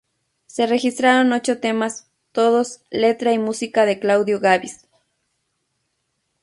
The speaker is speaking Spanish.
Se registraron ocho temas, todos letra y música de Claudio Gabis.